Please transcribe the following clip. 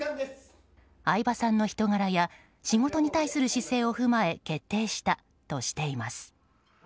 相葉さんの人柄や仕事に対する姿勢を踏まえ決定したとしています。